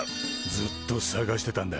ずっとさがしてたんだ。